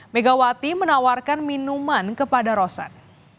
megawati menawarkan minuman kepada rosan